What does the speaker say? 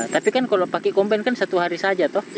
tapi kan kalau pakai komplain kan satu hari saja toh